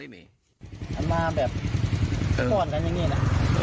มันมาแบบกอดกันอย่างนี้นะ